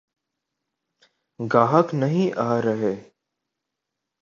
گاہک نہیں آرہے۔